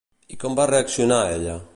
I com va reaccionar ella?